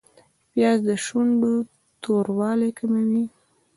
پیاز د شونډو توروالی کموي